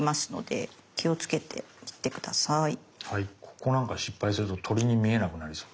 ここなんか失敗すると鳥に見えなくなりそう。